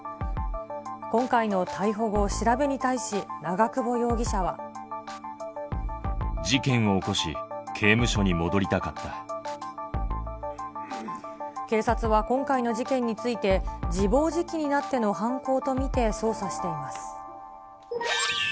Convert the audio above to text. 今回の逮捕後、調べに対し、事件を起こし、刑務所に戻り警察は今回の事件について、自暴自棄になっての犯行と見て捜査しています。